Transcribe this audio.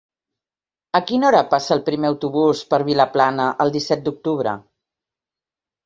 A quina hora passa el primer autobús per Vilaplana el disset d'octubre?